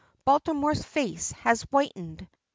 Baltimore's face has whitened.